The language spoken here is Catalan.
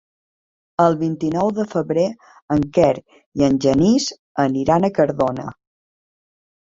El vint-i-nou de febrer en Quer i en Genís aniran a Cardona.